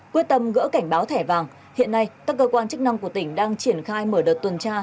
quyết tâm gỡ cảnh báo thẻ vàng hiện nay các cơ quan chức năng của tỉnh đang triển khai mở đợt tuần tra